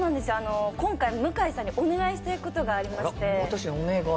今回、向井さんにお願いしたいことがありまして。